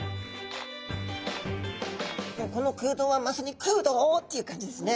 もうこの空洞はまさに「食うどう！」っていう感じですね。